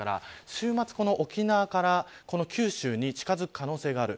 週末、沖縄から九州に近づく可能性がある。